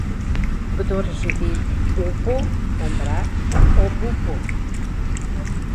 Kdor živi v upu, umre v obupu.